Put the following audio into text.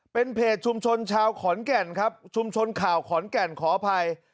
เป็นเพจชุมชนชาวขอนแก่นครับชุมชนข่าวขอนแก่นขออภัย